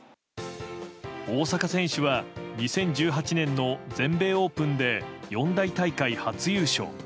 大坂選手は２０１８年の全米オープンで四大大会初優勝。